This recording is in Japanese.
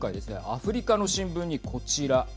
アフリカの新聞に、こちら。